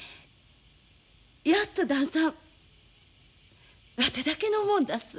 やっと旦さんわてだけのもんだす。